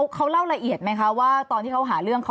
เขาเล่าละเอียดไหมคะว่าตอนที่เขาหาเรื่องเขา